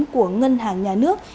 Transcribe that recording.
của ngân hàng nước